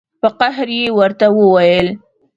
په قهر یې ورته وویل.